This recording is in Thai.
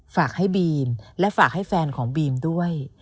ฝากให้บีมและฝากให้แฟนของบีมด้วย